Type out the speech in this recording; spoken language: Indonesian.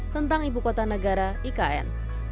tentang ibu kota negara ikn